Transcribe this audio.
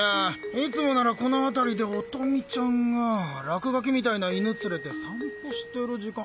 いつもならこの辺りで音美ちゃんがラクガキみたいな犬連れて散歩してる時間。